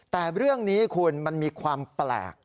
แต่เรื่องนี้คุณมันมีความแปลก